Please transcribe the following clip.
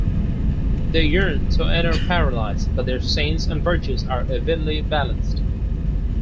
They yearn to enter paradise, but their sins and virtues are evenly balanced.